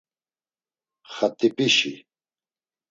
Xat̆ip̌işi?